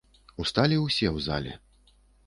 Усталі ўсе ў зале.